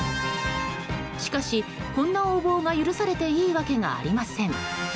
しかし、こんな横暴が許されていいわけがありません。